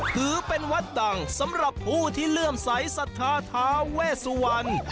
ถือเป็นวัดดังสำหรับผู้ที่เลื่อมใสสัทธาทาเวสวรรณ